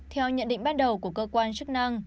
theo nhận định ban đầu của cơ quan chức năng